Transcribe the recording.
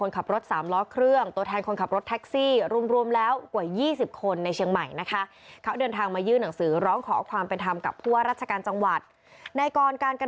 แล้วคุณมันก็จะจัดการ